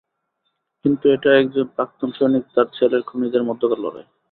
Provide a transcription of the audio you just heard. কিন্তু এখন এটা একজন প্রাক্তন সৈনিক আর তার ছেলের খুনিদের মধ্যকার লড়াই।